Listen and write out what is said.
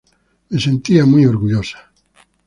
Me sentía muy orgullosa.